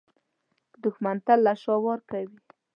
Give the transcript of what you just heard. دښمن تل له شا وار کوي